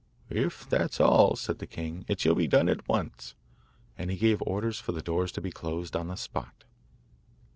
'If that's all,' said the king, 'it shall be done at once.' And he gave orders for the doors to be closed on the spot.